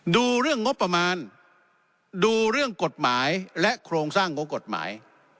ดูเรื่องงบประมาณดูเรื่องกฎหมายและโครงสร้างของกฎหมาย